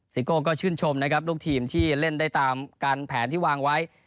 โก้ก็ชื่นชมนะครับลูกทีมที่เล่นได้ตามการแผนที่วางไว้